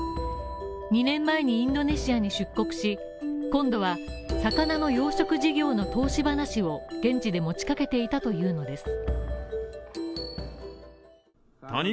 ２年前にインドネシアに出国し、今度は魚の養殖事業の投資話を現地で持ちかけていたというのです。